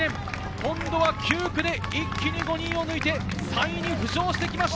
今度は９区で一気に５人を抜いて３位に浮上してきました。